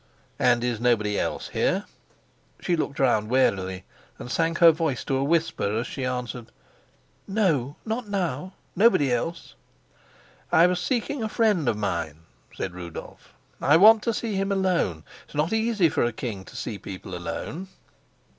"And is nobody else here?" She looked round warily, and sank her voice to a whisper as she answered: "No, not now nobody else." "I was seeking a friend of mine," said Rudolf. "I want to see him alone. It's not easy for a king to see people alone."